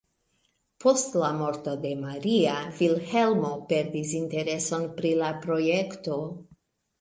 Post la morto de Maria, Vilhelmo perdis intereson pri la projekto.